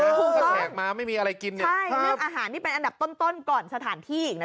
ถ้าแขกมาไม่มีอะไรกินเนี่ยใช่เรื่องอาหารนี่เป็นอันดับต้นก่อนสถานที่อีกนะ